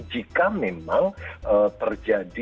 jika memang terjadi